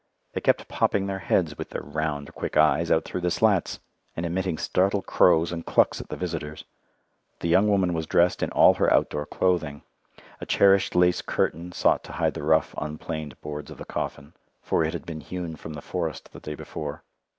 They kept popping their heads, with their round, quick eyes out through the slats, and emitting startled crows and clucks at the visitors. The young woman was dressed in all her outdoor clothing; a cherished lace curtain sought to hide the rough, unplaned boards of the coffin for it had been hewn from the forest the day before.